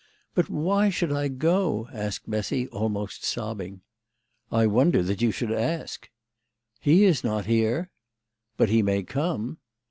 " But why should I go?" asked Bessy, almost sobbing. " I wonder that you should ask." " He is not here." " But he may come."